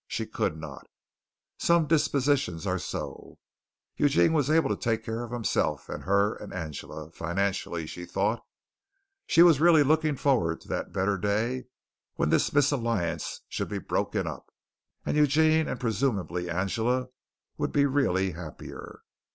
She could not. Some dispositions are so. Eugene was able to take care of himself and her and Angela financially, she thought. She was really looking forward to that better day when this misalliance should be broken up, and Eugene and presumably Angela would be really happier.